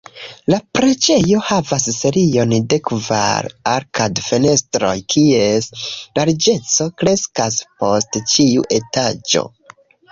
La preĝejo havas serion de kvar arkad-fenestroj kies larĝeco kreskas post ĉiu etaĝo.